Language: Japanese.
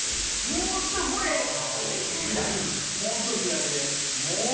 もうちょい左で。